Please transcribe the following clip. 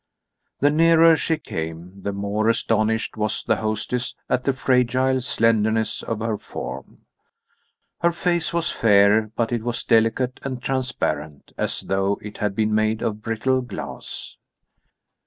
The nearer she came, the more astonished was the hostess at the fragile slenderness of her form. Her face was fair, but it was delicate and transparent, as though it had been made of brittle glass.